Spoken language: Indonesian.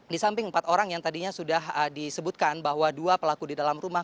di samping empat orang yang tadinya sudah disebutkan bahwa dua pelaku di dalam rumah